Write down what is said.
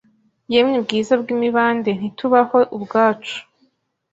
Yemwe bwiza bwimibande ntitubaho ubwacu